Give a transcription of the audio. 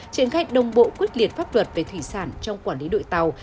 triển khai đồng bộ quyết liệt pháp luật về thủy sản trong quản lý đội tàu